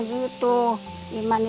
udah tidak diberi obat obatan